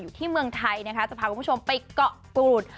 อยู่ที่เมืองไทยนะคะจะพาคุณผู้ชมไปเกาะกูด